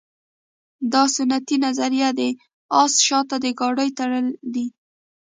دا سنتي نظریه د اس شاته د ګاډۍ تړل دي